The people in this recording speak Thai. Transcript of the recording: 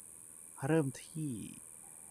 เริ่มที่